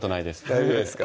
大丈夫ですか？